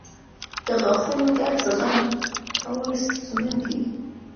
• د غاښونو درد زغم کول ستونزمن دي.